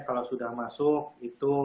kalau sudah masuk itu